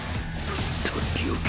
取っておけ。